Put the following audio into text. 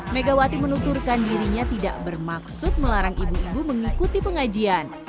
megawati menunturkan dirinya tidak bermaksud melarang ibu ibu mengikuti pengajian